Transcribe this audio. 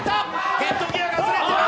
ヘッドギアがずれています。